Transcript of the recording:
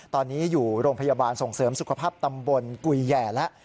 ตอนนี้อยู่โรงพยาบาลส่งเสริมสุขภาพตำบลกุยแหย่แล้ว